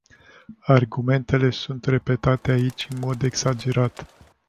Argumentele sunt repetate aici în mod exagerat.